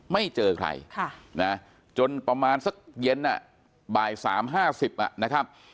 ไม่เจอใครจนประมาณสักเย็นน่ะบ่ายสามห้าสิบ